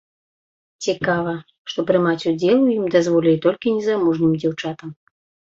Цікава, што прымаць удзел у ім дазволілі толькі незамужнім дзяўчатам.